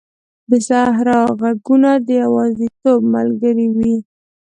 د صحرا ږغونه د یوازیتوب ملګري وي.